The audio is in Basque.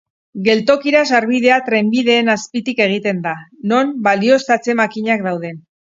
Geltokira sarbidea trenbideen azpitik egiten da, non balioztatze-makinak dauden.